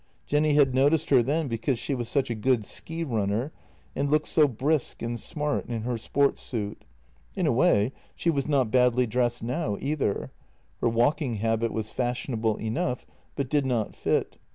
Jenny had noticed her then because she was such a good ski runner and looked so brisk and smart in her sport suit. In a way she was not badly dressed now either; her JENNY 207 walking habit was fashionable enough, but did not fit.